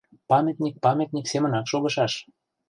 — Памятник памятник семынак шогышаш.